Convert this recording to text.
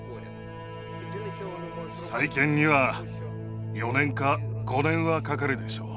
再建には４年か５年はかかるでしょう。